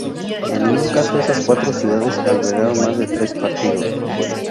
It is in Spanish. En ningún caso esas cuatro ciudades albergaron más de tres partidos.